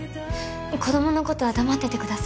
子供のことは黙っててください